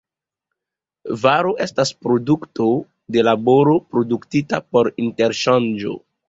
Varo estas produkto de laboro, produktita por interŝanĝo.